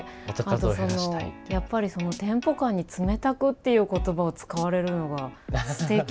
あとそのテンポ感に「冷たく」っていう言葉を使われるのがすてき。